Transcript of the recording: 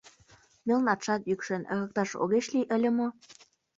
— Мелнатшат йӱкшен, ырыкташ огеш лий ыле мо?